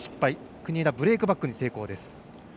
国枝、ブレークバックに成功です。